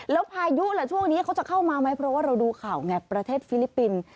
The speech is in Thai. แล้วพายุล่ะช่วงนี้เขาจะเข้ามาไหมเพราะว่าเราดูข่าวไงประเทศฟิลิปปินส์